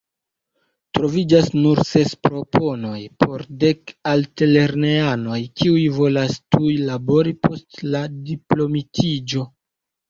Troviĝas nur ses proponoj por dek altlernejanoj, kiuj volas tuj labori post la diplomitiĝo.